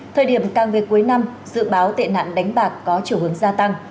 thời điểm càng về cuối năm dự báo tệ nạn đánh bạc có chiều hướng gia tăng